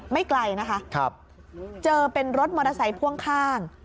ไม่ไกลนะคะเจอเป็นรถมอเตอร์ไซค์พ่วงข้าง